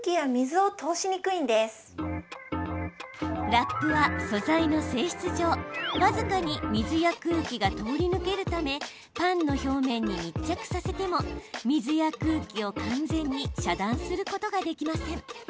ラップは素材の性質上僅かに水や空気が通り抜けるためパンの表面に密着させても水や空気を完全に遮断することができません。